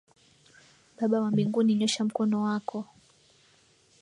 Baba wa mbinguni nyosha mkono wako.